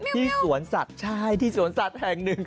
ที่สวนสัตย์ใช่สวนสัตย์แห่งหนึ่ง